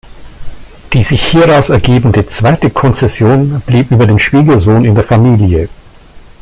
Die sich hieraus ergebende zweite Konzession blieb über den Schwiegersohn in der Familie.